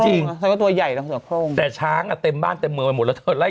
ใจก็ตัวใหญ่แหละเสื้อโคกงแต่ช้างอะเต็มบ้านเต็มเมืองไป